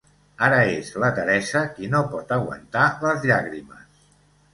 Ara és la Teresa qui no pot aguantar les llàgrimes.